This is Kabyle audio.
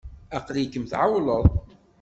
Aql-ikem tɛewwleḍ.